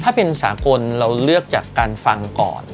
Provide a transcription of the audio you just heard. ถ้าเป็นอุตส่าห์คนเราเลือกจากการฟังก่อน